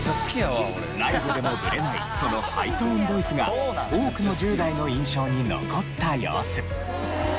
ライブでもブレないそのハイトーンボイスが多くの１０代の印象に残った様子。